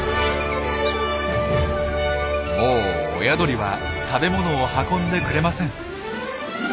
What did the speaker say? もう親鳥は食べ物を運んでくれません。